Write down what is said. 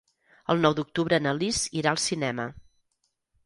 El nou d'octubre na Lis irà al cinema.